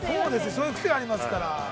◆そういう癖ありますから。